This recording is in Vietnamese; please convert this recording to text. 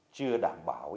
chưa đảm bảo